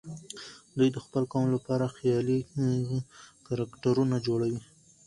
دوی د خپل قوم لپاره خيالي کرکټرونه جوړوي.